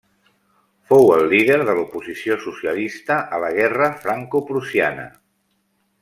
Fou el líder de l'oposició socialista a la guerra francoprussiana.